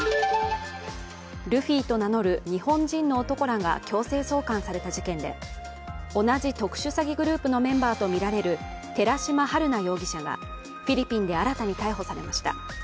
ルフィと名乗る日本人の男らが強制送還された事件で、同じ特殊詐欺グループのメンバーとみられる寺島春奈容疑者がフィリピンで新たに逮捕されました。